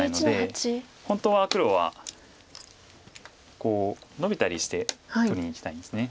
本当は黒はこうノビたりして取りにいきたいんです。